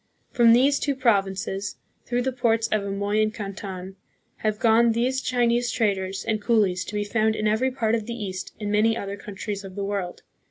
From these two provinces, through the ports of Amoy and Canton, have gone those Chinese traders and coolies to be found in every part of the East and many other countries of the world.